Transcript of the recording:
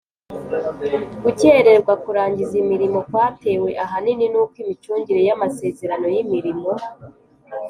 Gukererwa kurangiza imirimo kwatewe ahanini n uko imicungire y amasezerano y imirimo